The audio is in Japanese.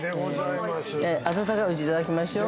温かいうちにいただきましょう。